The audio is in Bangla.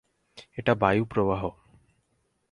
এটা বায়ু প্রবাহ।